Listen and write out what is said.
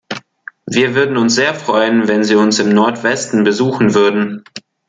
Wir würden uns sehr freuen, wenn Sie uns im Nordwesten besuchen würden.